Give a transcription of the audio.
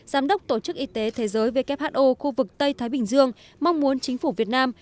giám đốc tổ chức y tế thế giới who khu vực tây thái bình dương mong muốn chính phủ việt nam